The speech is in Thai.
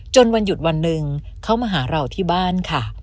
วันหยุดวันหนึ่งเขามาหาเราที่บ้านค่ะ